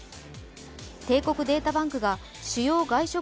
帝国データバンクが主要外食